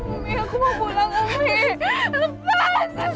umi aku mau pulang umi